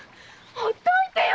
ほっといてよ！